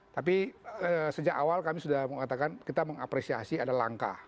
tapi sejak awal kami sudah mengatakan kita mengapresiasi ada langkah